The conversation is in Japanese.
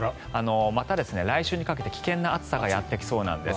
また来週にかけて危険な夏さがやってきそうなんです。